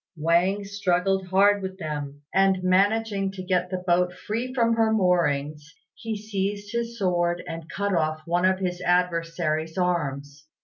Wang struggled hard with them, and managing to get the boat free from her moorings, he seized his sword and cut off one of his adversaries' arms.